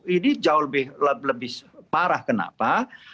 ini jauh lebih parah kenapa